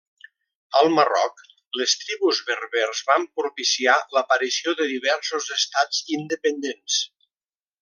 Al Marroc, les tribus berbers van propiciar l'aparició de diversos estats independents.